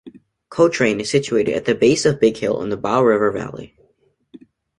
Cochrane is situated at the base of Big Hill in the Bow River Valley.